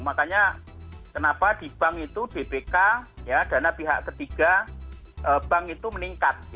makanya kenapa di bank itu bpk dana pihak ketiga bank itu meningkat